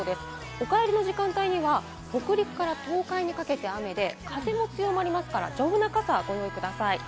お帰りの時間帯には北陸から東海にかけて雨で、風も強まりますから、丈夫な傘をご用意ください